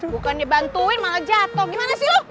bukan dibantuin malah jatuh gimana sih lo